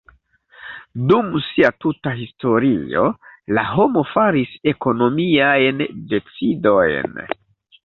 Dum sia tuta historio la homo faris ekonomiajn decidojn.